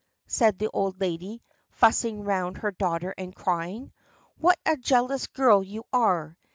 said the old lady, fussing round her daughter and crying. "What a jealous girl you are!